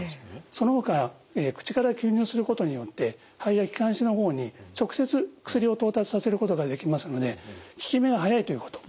そのほか口から吸入することによって肺や気管支の方に直接薬を到達させることができますので効き目が早いということ。